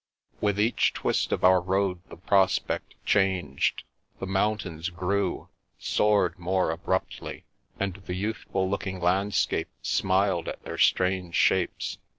With each twist of our road the prospect changed. The mountains grew, soared more abruptly, and the youthful looking landscape smiled at their strange shapes.